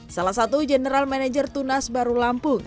salah satu general manager tunas baru lampung